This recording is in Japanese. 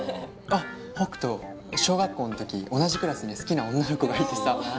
あっ北斗小学校のとき同じクラスに好きな女の子がいてさ。